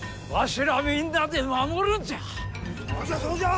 そうじゃそうじゃ！